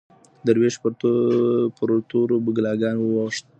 دروېش پر تورو بلاګانو واوښت